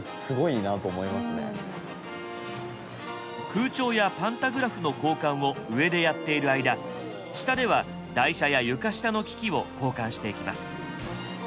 空調やパンタグラフの交換を上でやっている間下では台車や床下の機器を交換していきます。